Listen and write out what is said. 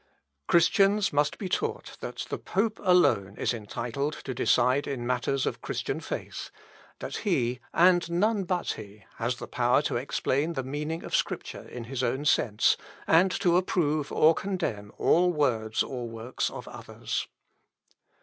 "Christians must be taught that the pope alone is entitled to decide in matters of Christian faith; that he, and none but he, has the power to explain the meaning of Scripture in his own sense, and to approve or condemn all words or works of others.